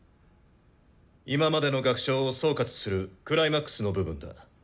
今までの楽章を総括するクライマックスの部分だ。